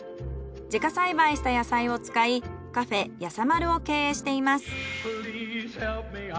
自家栽培した野菜を使いカフェやさまるを経営しています。